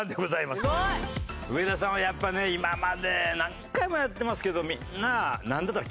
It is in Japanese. すごい！上田さんはやっぱね今まで何回もやってますけどみんななんでだろう？